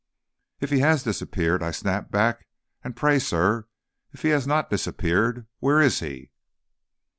"If he has disappeared!" I snapped back; "and, pray, sir, if he has not disappeared, where is he?"